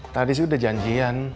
tadi sih udah janjian